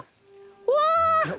うわ。